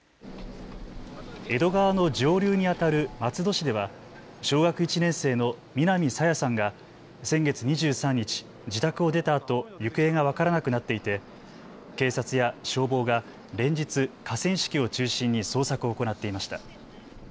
江戸川の上流にあたる松戸市では小学１年生の南朝芽さんが先月２３日、自宅を出たあと行方が分からなくなっていて警察や消防が連日、河川敷を中心に捜索を行っていました。